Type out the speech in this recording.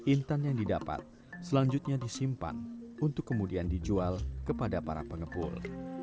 intan yang didapat selanjutnya disimpan untuk kemudian dijual kepada para pengepul